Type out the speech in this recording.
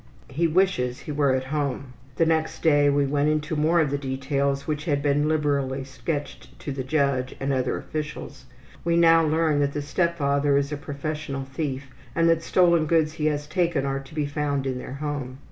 He wishes he were at home. The next day we went into more of the details which had been liberally sketched to the judge and other officials. We now learn that the step father is a professional thief and that stolen goods he has taken are to be found in their home.